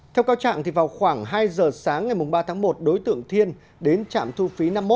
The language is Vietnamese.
theo cáo trạng vào khoảng hai giờ sáng ngày ba tháng một đối tượng thiên đến trạm thu phí năm mươi một